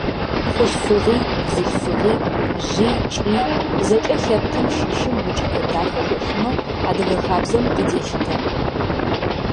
Хъулъфыгъи, бзылъфыгъи, жъи, кӀи – зэкӀэ лъэпкъым щыщым укӀытэ дахэ хэлъынэу адыгэ хабзэм къыделъытэ.